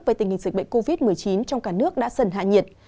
về tình hình dịch bệnh covid một mươi chín trong cả nước đã dần hạ nhiệt